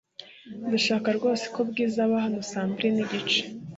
Ndashaka rwose ko Bwiza aba hano saa mbiri nigice .